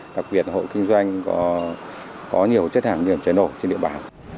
đặc biệt hộ kinh doanh có nhiều chất hàng nghiền cháy nổ trên địa bàn